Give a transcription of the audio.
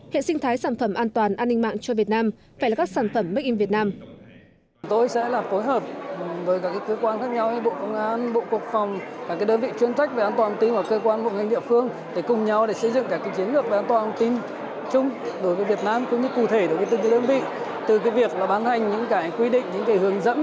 hiện sinh thái sản phẩm an toàn an ninh mạng cho việt nam phải là các sản phẩm bức im việt nam